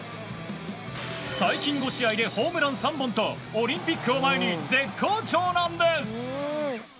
最近５試合でホームラン３本とオリンピックを前に絶好調なんです！